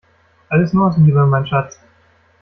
Alles nur aus Liebe, mein Schatz!